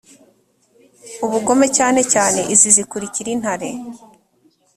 ubugome cyane cyane izi zikurikira intare